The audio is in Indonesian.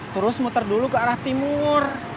terus muter dulu ke arah timur